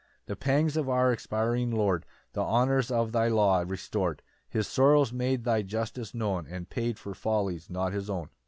4 The pangs of our expiring Lord The honours of thy law restor'd; His sorrows made thy justice known, And paid for follies not his own.